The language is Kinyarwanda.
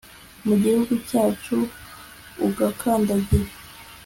mu gihugu cyacu agakandagira